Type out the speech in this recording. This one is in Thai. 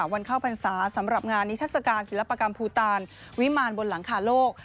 เข้าพรรษาสำหรับงานนิทัศกาลศิลปกรรมภูตาลวิมารบนหลังคาโลก